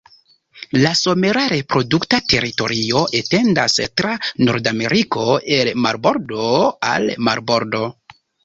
La somera reprodukta teritorio etendas tra Nordameriko el marbordo al marbordo.